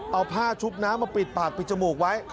เอาผ้าชุบน้ำมาปิดปากปิดจมูกไว้